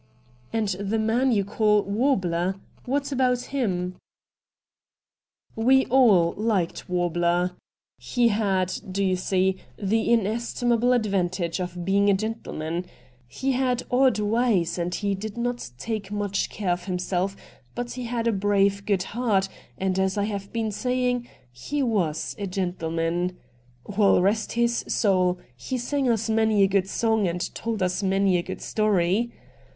'And the man you call Warbler — what about him ?'' We all Uked Warbler — he had, do you see, the inestimable advantage of being a gentleman. Hd had odd ways and he did not take much care of himself, but he had a brave good heart, and as I have been saying, he was a gentleman. WeU — rest his soul! — he sang us many a good song and told us many a good story.